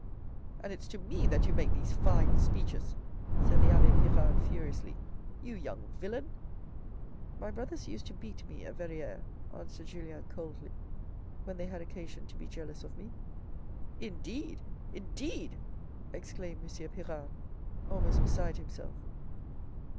" And it's to me that you make these fine speeches," said the abbe Pirard furiously. " You young villain." " My brothers used to beat me at Verrieres," answered Julien coldly, " When they had occasion to be jealous of me." " Indeed, indeed," exclaimed M. Pirard, almost beside himself.